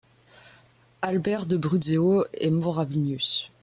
Albert de Brudzewo est mort à Vilnius.